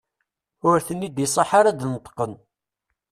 Ur ten-id-iṣaḥ ara ad d-neṭqen.